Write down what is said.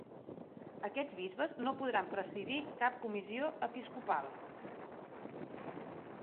Aquests bisbes no podran presidir cap comissió episcopal.